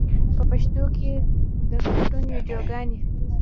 په پښتو کې د کاټون ویډیوګانې